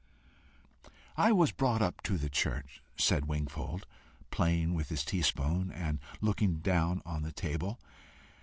"I was brought up to the church," said Wingfold at length, playing with his teaspoon, and looking down on the table.